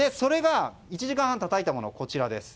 １時間半たたいたものがこちらです。